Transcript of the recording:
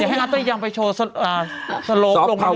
อยากให้อพเตอร์ยำไปโชว์โล๔๕